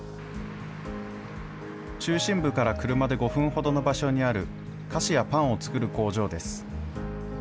中心部から車で５分ほどの場所にある菓子やパンを作る工場です。